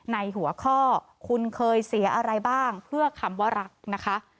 ในหัวข้อคุณเคยเสียอะไรบ้างเพื่อคำว่ารักนะคะ